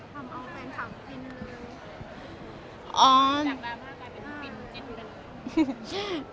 ทำเอาแฟนคลับฟินรู้